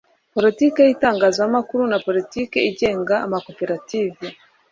politiki y'itangazamakuru na politiki igenga amakoperative